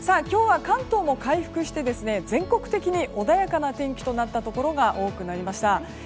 今日は関東も回復して全国的に穏やかな天気となったところが多くなりました。